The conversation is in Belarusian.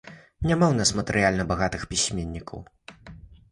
Няма ў нас матэрыяльна багатых пісьменнікаў.